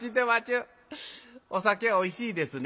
お酒おいしいですね。